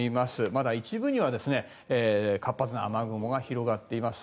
まだ一部には活発な雨雲が広がっています。